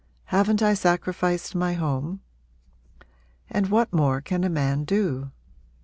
Haven't I sacrificed my home? and what more can a man do?'